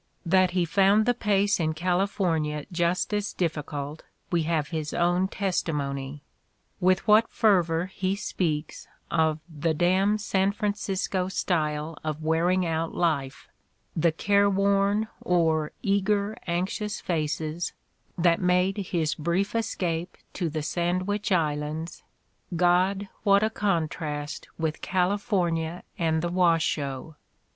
That he found the pace in California just as difficult we have his own testimony; with what fervor he speaks of the "d ^n San Francisco style of wearing out life," the "careworn or eager, anxious faces" that made his brief escape to the Sandwich Islands — "God, what a contrast with California and the Washoe"!